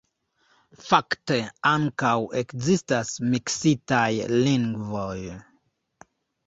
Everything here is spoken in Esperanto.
Fakte ankaŭ ekzistas miksitaj lingvoj.